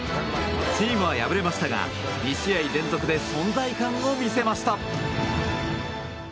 チームは敗れましたが２試合連続で存在感を見せました。